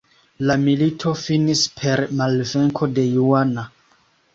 La milito finis per malvenko de Juana.